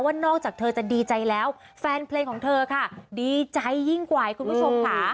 นอกจากเธอจะดีใจแล้วแฟนเพลงของเธอค่ะดีใจยิ่งกว่าคุณผู้ชมค่ะ